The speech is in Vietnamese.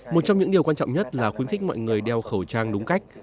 một trong những điều quan trọng nhất là khuyến khích mọi người đeo khẩu trang đúng cách